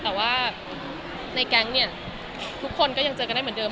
แต่ว่าในแก๊งเนี่ยทุกคนก็ยังเจอกันได้เหมือนเดิ